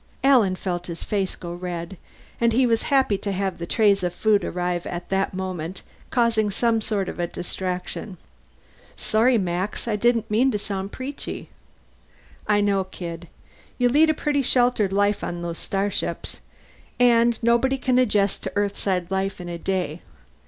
Alan felt his face go red, and he was happy to have the trays of food arrive at that moment, causing some sort of distraction. "Sorry, Max. I didn't mean to sound preachy." "I know, kid. You lead a pretty sheltered life on those starships. And nobody can adjust to Earthside life in a day.